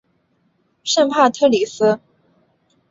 圣帕特里斯。